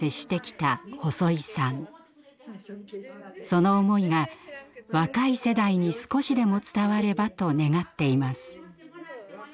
その思いが若い世代に少しでも伝わればと願っています。